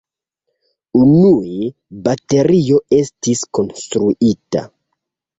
Unue baterio estis konstruita.